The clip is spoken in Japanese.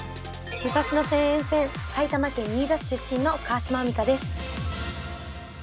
武蔵野線沿線埼玉県新座市出身の川島海荷です。